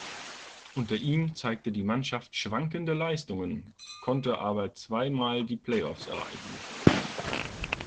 Unter ihm zeigte die Mannschaft schwankende Leistungen, konnte aber zwei Mal die Playoffs erreichen.